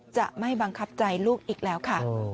จะไม่บังคับใจลูกอีกแล้วค่ะ